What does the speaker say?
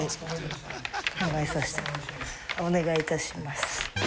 お願い致します。